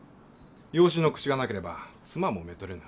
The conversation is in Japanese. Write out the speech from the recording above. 養子の口がなければ妻も娶れぬ。